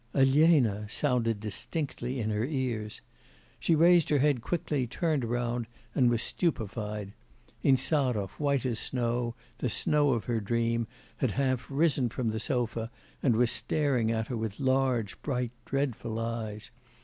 'Elena!' sounded distinctly in her ears. She raised her head quickly, turned round, and was stupefied: Insarov, white as snow, the snow of her dream, had half risen from the sofa, and was staring at her with large, bright, dreadful eyes.